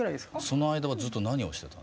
その間はずっと何をしてたの？